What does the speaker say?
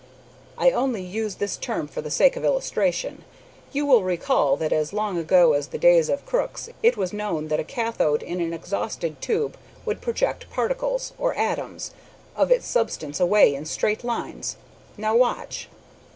I only use this term for the sake of illustration. You will recall that as long ago as the days of Crookes it was known that a kathode in an exhausted tube would project particles, or atoms, of its substance away in straight lines. Now watch!"